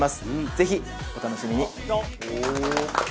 ぜひお楽しみに！